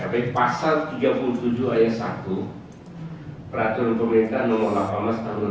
menurut hukum pasal tiga puluh tujuh ayat satu peraturan pemerintahan nomor delapan mas tahun dua ribu dua puluh satu